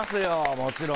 もちろん。